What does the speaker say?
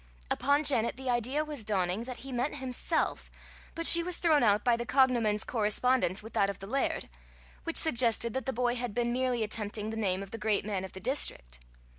Upon Janet the idea was dawning that he meant himself, but she was thrown out by the cognomen's correspondence with that of the laird, which suggested that the boy had been merely attempting the name of the great man of the district.